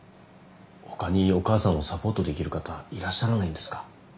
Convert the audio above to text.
ほかにお母さんをサポートできる方いらっしゃらないんですか？